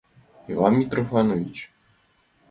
Иван Митрофанович.